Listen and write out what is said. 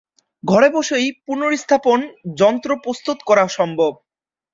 ঘরে বসেই পুনঃস্থাপন যন্ত্র প্রস্তুত করা সম্ভব।